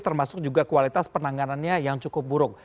termasuk juga kualitas penanganannya yang cukup buruk